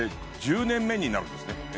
１０年目になるんですね。